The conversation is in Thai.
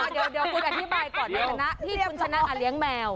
เดี๋ยวคุณอธิบายก่อนในฐานะที่คุณชนะเลี้ยงแมว